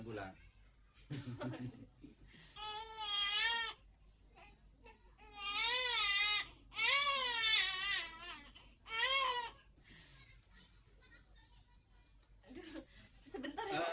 aduh sebentar ya